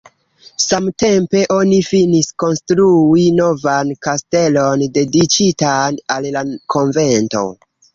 Samtempe oni finis konstrui novan kastelon dediĉitan al la konvento.